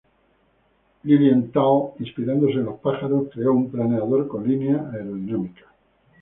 Lilienthal, inspirándose en los pájaros, creó un planeador con línea aerodinámica.